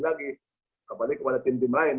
lagi apalagi kepada tim tim lain